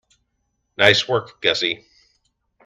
Nice work, Gussie.